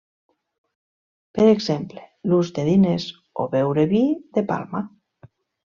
Per exemple, l'ús de diners o beure vi de palma.